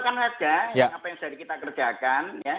kan ada apa yang sudah kita kerjakan